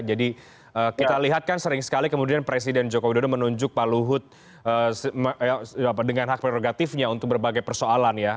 jadi kita lihat kan sering sekali kemudian presiden joko widodo menunjuk pak lut dengan hak prerogatifnya untuk berbagai persoalan ya